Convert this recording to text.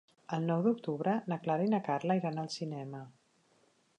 El nou d'octubre na Clara i na Carla iran al cinema.